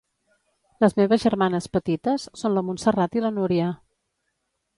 Les meves germanes petites són la Montserrat i la Núria